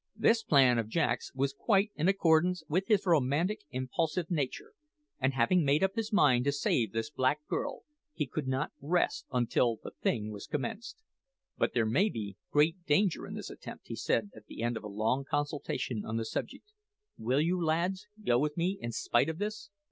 This plan of Jack's was quite in accordance with his romantic, impulsive nature; and having made up his mind to save this black girl, he could not rest until the thing was commenced. "But there may be great danger in this attempt," he said at the end of a long consultation on the subject. "Will you, lads, go with me in spite of this?"